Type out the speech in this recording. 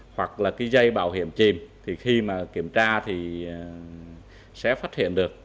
hoặc là cái dây bảo hiểm chìm thì khi mà kiểm tra thì sẽ phát hiện được